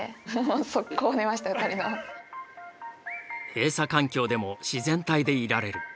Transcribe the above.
閉鎖環境でも自然体でいられる。